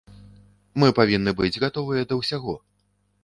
Мы павінны быць гатовыя да ўсяго.